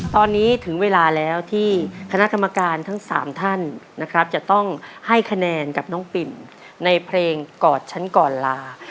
ตอนนี้ถึงเวลาแล้วที่คณะกรรมการทั้ง๓ท่านนะครับจะต้องให้คะแนนกับน้องปิ่นในเพลงกอดฉันก่อนลา